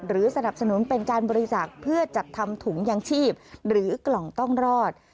สนับสนุนเป็นการบริจาคเพื่อจัดทำถุงยางชีพหรือกล่องต้องรอด